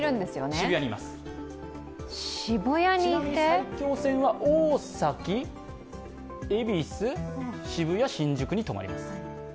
ちなみに埼京線は大崎、恵比寿、渋谷、新宿に止まります。